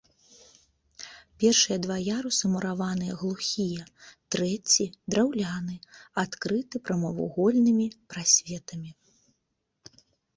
Першыя два ярусы мураваныя глухія, трэці драўляны, адкрыты прамавугольнымі прасветамі.